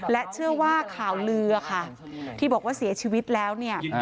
และเชื่อว่าข่าวลือค่ะที่บอกว่าเสียชีวิตแล้วเนี่ย